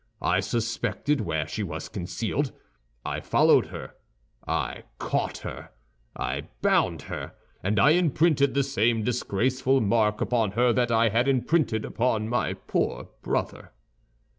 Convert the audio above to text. I suspected where she was concealed. I followed her, I caught her, I bound her; and I imprinted the same disgraceful mark upon her that I had imprinted upon my poor brother.